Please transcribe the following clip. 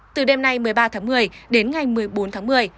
từ đêm nay một mươi ba tháng một mươi đến ngày một mươi bốn tháng một mươi